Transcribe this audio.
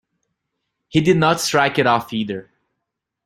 He did not strike it off, either.